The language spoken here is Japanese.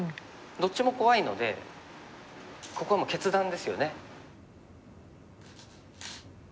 どっちも怖いのでここはもう決断ですよね。